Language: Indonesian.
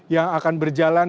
yang akan berjalan